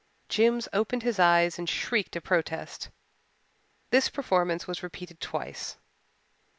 Jims opened his eyes and shrieked a protest. This performance was repeated twice.